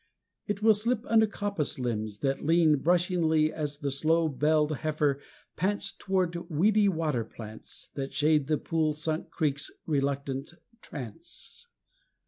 It will slip under coppice limbs that lean Brushingly as the slow belled heifer pants Toward weedy water plants That shade the pool sunk creek's reluctant trance.